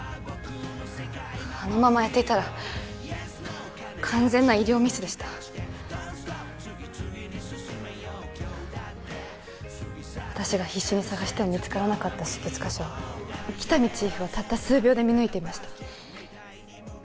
あのままやっていたら完全な医療ミスでした私が必死に探しても見つからなかった出血箇所を喜多見チーフはたった数秒で見抜いていました